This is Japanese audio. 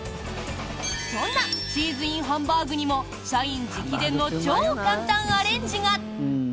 そんなチーズＩＮハンバーグにも社員直伝の超簡単アレンジが！